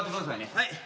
はい。